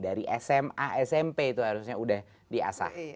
dari sma smp itu harusnya sudah diasah